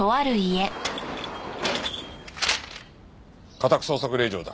家宅捜索令状だ。